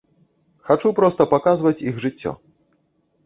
Хачу проста паказваць іх жыццё.